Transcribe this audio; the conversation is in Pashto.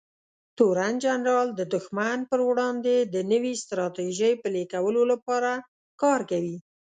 تورن جنرال د دښمن پر وړاندې د نوې ستراتیژۍ پلي کولو لپاره کار کوي.